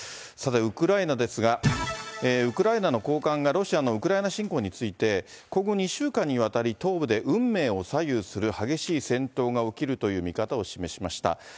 さて、ウクライナですが、ウクライナの高官が、ロシアのウクライナ侵攻について、今後２週間にわたり東部で運命を左右する激しい戦闘が起きるという見方を示しました。